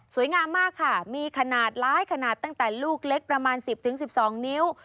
งามมากค่ะมีขนาดร้ายขนาดตั้งแต่ลูกเล็กประมาณ๑๐๑๒นิ้ว